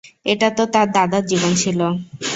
এটা তো তোর দাদার জীবন ছিল।